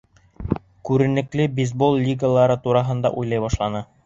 Күренекле бейсбол лигалары тураһында уйлай башланы.